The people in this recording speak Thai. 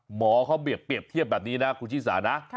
หมอเขาเปรียบเทียบแบบนี้นะคุณชิสานะ